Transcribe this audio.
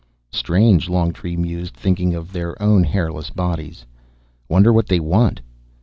"Strange," Longtree mused, thinking of their own hairless bodies. "Wonder what they want."